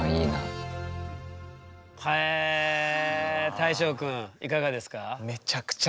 大昇君いかがですか？